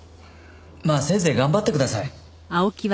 まあせいぜい頑張ってください。